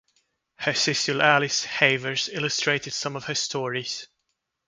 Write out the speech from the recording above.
Her sister Alice Havers illustrated some of her stories.